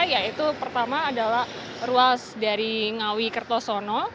yaitu pertama adalah ruas dari ngawi kertosono